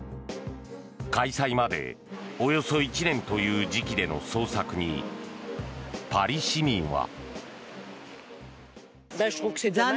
開催までおよそ１年という時期での捜索に、パリ市民は。